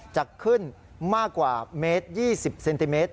จะขึ้นมากกว่าเมตร๒๐เซนติเมตร